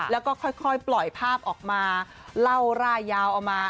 แล้วก็ค่อยปล่อยภาพออกมาเล่าร่ายยาวเอามา